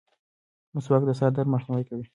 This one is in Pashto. مسواک د سر درد مخنیوی کوي.